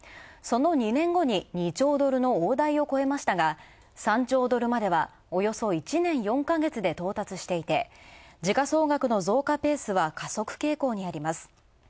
その２年後に２兆ドルの大台を超えましたが、３兆ドルまではおよそ１年４か月で到達していて時価総額の増加ペースは加速傾向にあります。